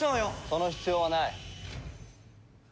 その必要はない。